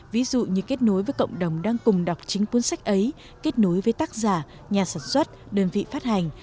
ví dụ như kết nối với cộng đồng đang cùng đọc chính cuốn sách ấy kết nối với tác giả nhà sản xuất đơn vị phát hành